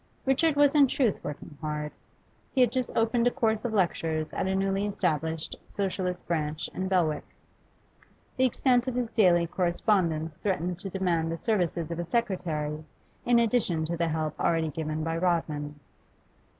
Richard was in truth working hard. He had just opened a course of lectures at a newly established Socialist branch in Belwick. The extent of his daily correspondence threatened to demand the services of a secretary in addition to the help already given by Rodman.